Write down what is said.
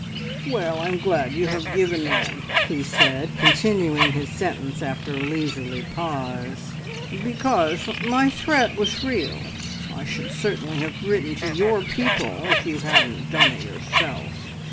"Well, I am glad you have given in," he said, continuing his sentence after a leisurely pause, "because my threat was real. I should certainly have written to your people if you hadn't done it yourself.